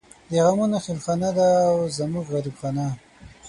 د غمونو خېلخانه ده او زمونږ غريب خانه